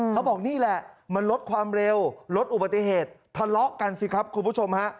เขาบอกนี่แหละมันลดความเร็วลดอุบัติเหตุทะเลาะกันสิครับคุณผู้ชมฮะ